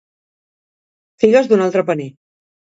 Figues d'un altre paner.